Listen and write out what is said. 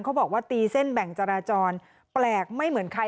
เขาบอกว่าตีเส้นแบ่งจราจรแปลกไม่เหมือนใคร